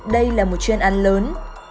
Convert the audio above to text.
đây là một chuyên án lớn